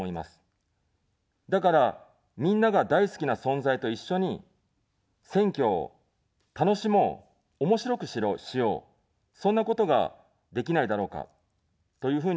だから、みんなが大好きな存在と一緒に選挙を楽しもう、おもしろくしよう、そんなことができないだろうかというふうに考えました。